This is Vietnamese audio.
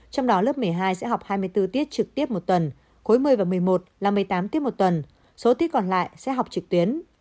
trong đó lớp một mươi hai sẽ học hai mươi bốn tiết trực tiếp một tuần cuối một mươi và một mươi một là một mươi tám tiết một tuần số tiết còn lại sẽ học trực tuyến